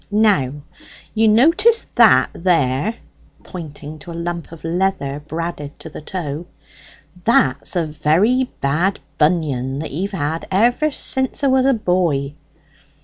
"Now, you notice that there" (pointing to a lump of leather bradded to the toe), "that's a very bad bunion that he've had ever since 'a was a boy.